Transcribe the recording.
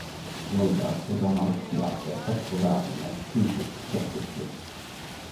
Jolver trudde han alltid hadde sett på verden med eit kritisk og skeptisk blikk.